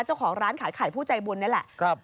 เจ้าของร้านขายไข่ผู้ใจบุญนี่แหละ